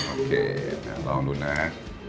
โอเคลองดูนะฮะ